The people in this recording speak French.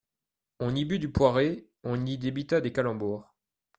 On y but du poiré, on y débita des calembours.